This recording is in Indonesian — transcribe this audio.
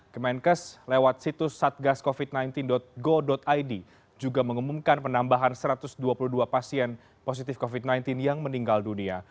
kemenkes lewat situs satgascovid sembilan belas go id juga mengumumkan penambahan satu ratus dua puluh dua pasien positif covid sembilan belas yang meninggal dunia